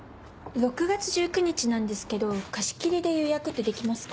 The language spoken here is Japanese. ６月１９日なんですけど貸し切りで予約ってできますか？